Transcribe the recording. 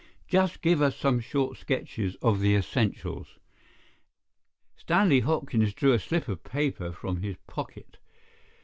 Just give us some short sketches of the essentials." Stanley Hopkins drew a slip of paper from his pocket.